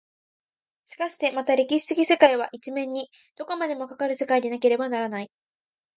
しかしてまた歴史的世界は一面にどこまでもかかる世界でなければならない。